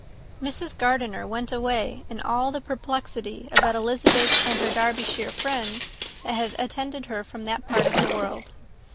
Mrs. Gardiner went away in all the perplexity about Elizabeth and her Derbyshire friend, that had attended her from that part of the world.